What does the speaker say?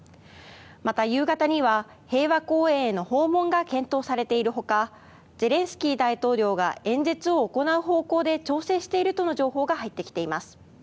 また、夕方には平和公園への訪問が検討されている他ゼレンスキー大統領が演説を行う方向で調整しているとの情報が入ってきています。